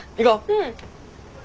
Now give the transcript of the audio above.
うん。